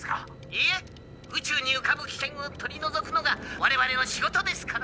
「いいえ宇宙にうかぶ危険を取り除くのが我々の仕事ですから」。